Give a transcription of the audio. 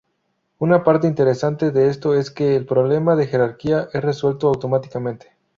Una parte interesante de esto es que el problema de jerarquía es resuelto automáticamente.